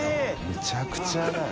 めちゃくちゃだよ。